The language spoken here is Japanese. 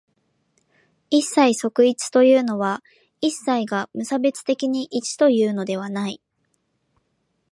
一切即一というのは、一切が無差別的に一というのではない。